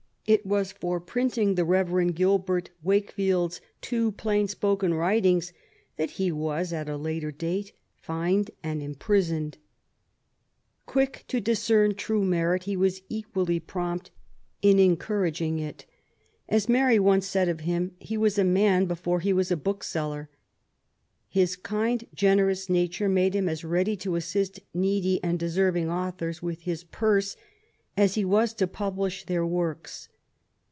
It was for printing the Bev. Gilbert Wakefield's too plain spoken writings that he waSj at a later date^ fined and imprisoned. Cluick to discern true merits he was equally prompt in enoou 5 66 MABY W0LL8T0NECEAFT GODWIN. raging it. As Mary onoe said of liim^ lie was a man before he was a bookseller. His kind, generous nature made him as ready to assist needy and deserving authors with his parse as he was to publish their works.